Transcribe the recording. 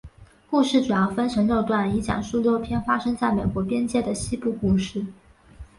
故事主要分成六段以讲述六篇发生在美国边界的西部故事。